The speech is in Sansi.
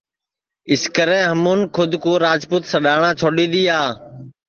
اِسکرے ہمُون کھود کُو راجپوت سڈؔاٹؔا چھوڈؔی دؔیا